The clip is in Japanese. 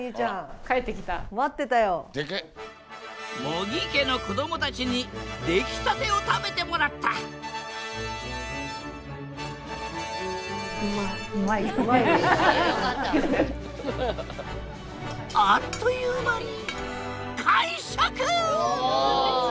茂木家の子供たちに出来立てを食べてもらったあっという間に完食！